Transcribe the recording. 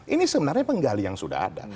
ini sebenarnya penggali yang sudah ada